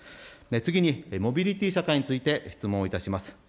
次に、モビリティ社会について質問をいたします。